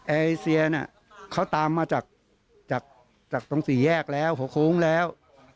เอเซียน่ะเขาตามมาจากตรงสี่แยกแล้วหัวโค้งแล้ว